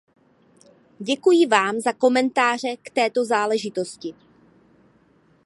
Děkuji vám za komentáře k této záležitosti.